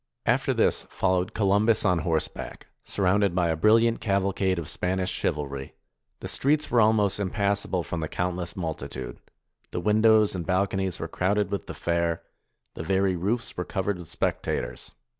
After this, followed Columbus on horseback, surrounded by a brilliant caval cade of Spanish chivalry. The streets were almost im passable from the countless multitude ; the windows and balconies were crowded with the fair; the very roofs were covered with spectators.